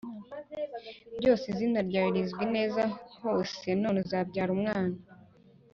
byose. izina ryange rizwi neza hose. none uzabyara umwana